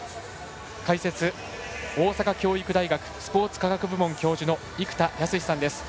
解説、大阪教育大学スポーツ科学部門教授の生田泰志さんです。